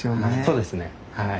そうですねはい。